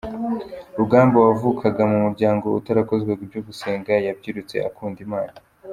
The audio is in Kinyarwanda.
Rugamba wavukaga mu muryango utarakozwaga ibyo gusenga, yabyirutse akunda Imana.